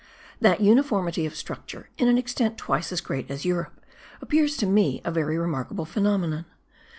That uniformity of structure, in an extent twice as great as Europe, appears to me a very remarkable phenomenon.